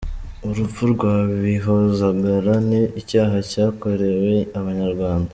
Urupfu rwa Bihozagara ni icyaha cyakorewe Abanyarwanda.